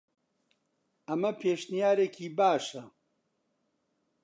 ئەمە پێشنیارێکی باشە.